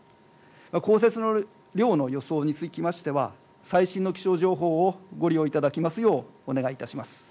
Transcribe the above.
降雪の量の予想につきましては、最新の気象情報をご利用いただきますようお願いいたします。